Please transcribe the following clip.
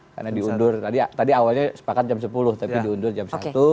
karena diundur tadi awalnya sepakat jam sepuluh tapi diundur jam satu